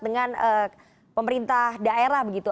dengan pemerintah daerah begitu